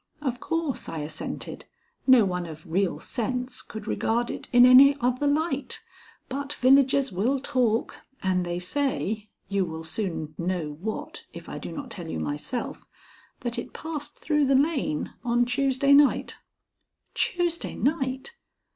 "Of course," I assented. "No one of real sense could regard it in any other light. But villagers will talk, and they say you will soon know what, if I do not tell you myself that it passed through the lane on Tuesday night." "Tuesday night!"